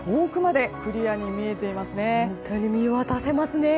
本当に見渡せますね！